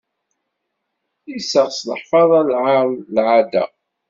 Iseɣ s leḥfaḍa, lɛaṛ d lɛadda.